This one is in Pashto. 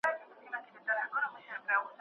یوازې لږ هڅې او تمرین ته اړتیا ده.